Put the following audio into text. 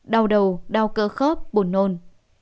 đau đầu đau cơ khớp buồn nôn